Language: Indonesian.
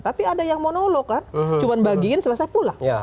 tapi ada yang monolog kan cuma bagiin selesai pulang